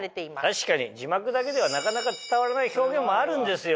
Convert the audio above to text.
確かに字幕だけではなかなか伝わらない表現もあるんですよ。